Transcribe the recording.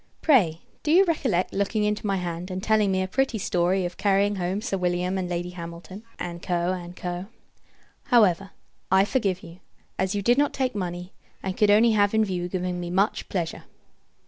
Pray, do you recollect looking into my hand, and telling me a pretty story of carrying home Sir William and Lady Hamilton, &c. &c. However, I forgive you; as you did not take money, and could only have in view giving me much pleasure.